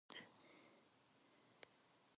Five Casuals players were capped for England.